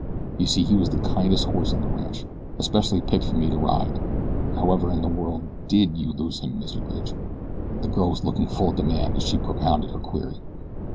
You see he was the kindest horse on the ranch especially picked for me to ride. However in the world DID you lose him, Mr. Bridge?" The girl was looking full at the man as she propounded her query.